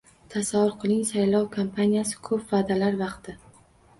Tasavvur qiling: saylov kampaniyasi - ko'p va'dalar vaqti